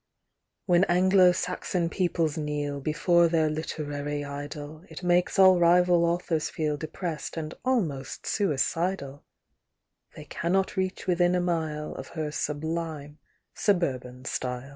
When Anglo Saxon peoples kneel Before their literary idol, It makes all rival authors feel Depressed and almost suicidal; They cannot reach within a mile Of her sublime suburban style.